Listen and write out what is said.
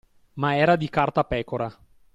Ma era di cartapecora